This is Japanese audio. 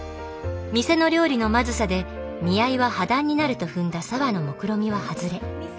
店の料理のまずさで見合いは破談になると踏んだ沙和のもくろみは外れ美咲って呼んで下さい。